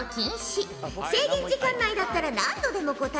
制限時間内だったら何度でも答えてよいぞ。